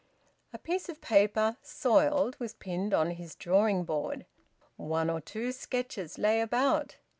A piece of paper, soiled, was pinned on his drawing board; one or two sketches lay about.